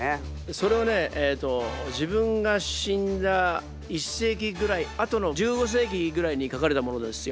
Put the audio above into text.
それはねえっと自分が死んだ１世紀ぐらい後の１５世紀ぐらいに書かれたものですよ。